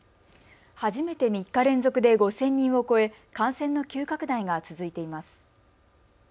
初めて３日連続で５０００人を超え感染の急拡大が続いています。